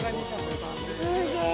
すげえ。